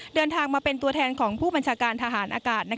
เดินทางมาเป็นตัวแทนของผู้บัญชาการทหารอากาศ